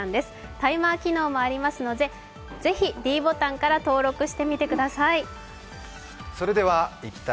タイマー機能もありますので、ぜひｄボタンから登録してみてください。